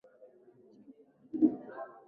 Katika miaka ya elfumoja miatisa ishirini natano